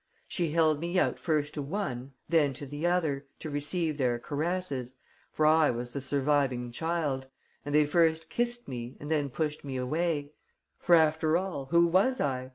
She held me out first to one, then to the other, to receive their caresses for I was the surviving child and they first kissed me and then pushed me away; for, after all, who was I?